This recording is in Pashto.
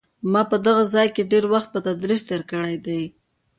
ما په دغه ځای کې ډېر وخت په تدریس تېر کړی دی.